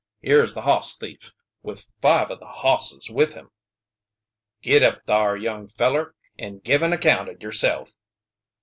Here's the hoss thief, with five o' the hosses with him!" "Git up thar, young feller, an' give an account o'yerself!"